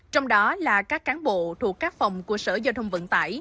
trong đó là các cán bộ thuộc các phòng của sở giao thông vận tải